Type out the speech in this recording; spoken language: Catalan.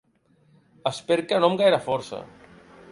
Esper que no amb gaire força.